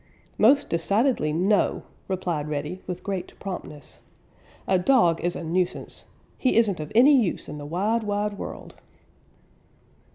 "Most decidedly no," replied Reddy with great promptness. "A dog is a nuisance. He isn't of any use in the wide, wide world."